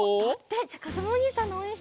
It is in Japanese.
じゃあかずむおにいさんのおうえんしてよ